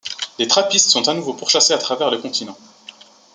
Les trappistes sont à nouveau pourchassés à travers le continent.